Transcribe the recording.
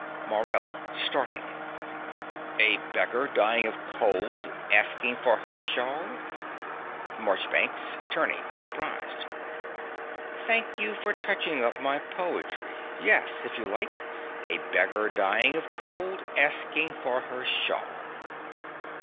MORELL (starting). A beggar dying of cold asking for her shawl? MARCHBANKS (turning, surprised). Thank you for touching up my poetry. Yes, if you like, a beggar dying of cold asking for her shawl.